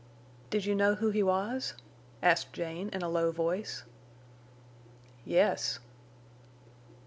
"Did you know who he was?" asked Jane, in a low voice. "Yes."